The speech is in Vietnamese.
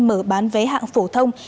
mở bán vé hạng phổ thông